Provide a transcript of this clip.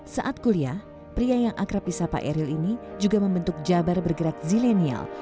saat kuliah pria yang akrab di sapa eril ini juga membentuk jabar bergerak zilenial